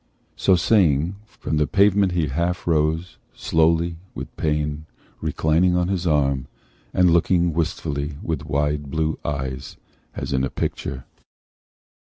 So saying, from the pavement he half rose, Slowly, with pain, reclining on his arm, And looking wistfully with wide blue eyes As in a picture.